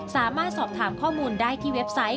สามารถสอบถามข้อมูลได้ที่เว็บไซต์